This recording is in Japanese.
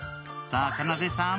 さあ、かなでさん